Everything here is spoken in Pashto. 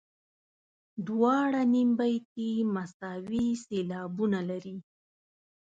دواړه نیم بیتي مساوي سېلابونه لري.